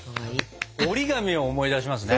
折り紙を思い出しますね。